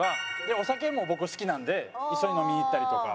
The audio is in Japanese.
お酒も僕好きなんで一緒に飲みに行ったりとか。